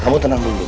kamu tenang dulu